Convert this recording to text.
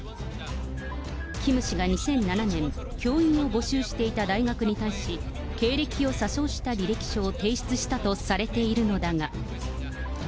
キム氏が２００７年、教員を募集していた大学に対し、経歴を詐称した履歴書を提出したとされているのだが。